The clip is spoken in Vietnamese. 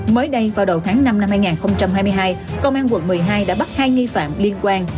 mới đây vào đầu tháng năm năm hai nghìn hai mươi hai công an quận một mươi hai đã bắt hai nghi phạm liên quan